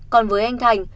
còn với anh thành